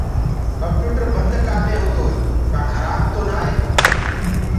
ڪمپيوٽر بند ڪآلي هوندوئي ڪآ خرآب تو نآ هي